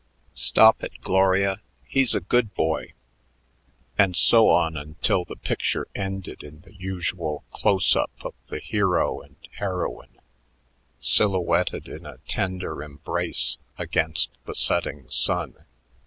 "Stop it; Gloria; he's a good boy." And so on until the picture ended in the usual close up of the hero and heroine silhouetted in a tender embrace against the setting sun.